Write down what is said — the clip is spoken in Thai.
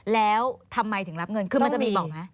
แล้วทำไมถึงรับเงินคือมันจะมีต่อไหม